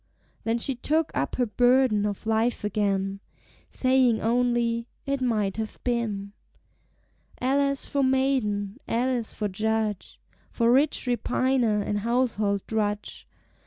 Then she took up her burden of life again, Saying only, "It might have been." Alas for maiden, alas for judge, For rich repiner and household drudge!